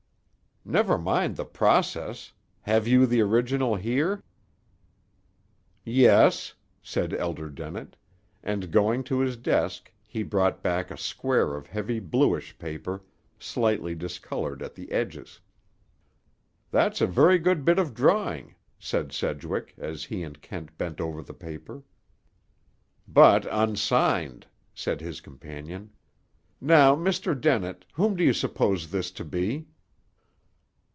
"Never mind the process. Have you the original here?" "Yes," said Elder Dennett; and, going to his desk he brought back a square of heavy bluish paper, slightly discolored at the edges. "That's a very good bit of drawing," said Sedgwick, as he and Kent bent over the paper. "But unsigned," said his companion. "Now, Mr. Dennett, whom do you suppose this to be?"